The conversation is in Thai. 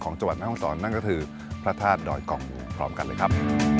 จังหวัดแม่ห้องศรนั่นก็คือพระธาตุดอยกล่องพร้อมกันเลยครับ